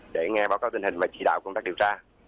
để nghe báo cáo tình hình và chỉ đạo công tác điều tra